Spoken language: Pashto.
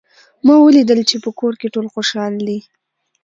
ما ولیدل چې په کور کې ټول خوشحال دي